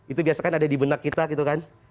itu biasanya ada di benak kita gitu kan